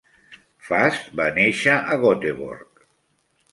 Fasth va néixer a Goteborg.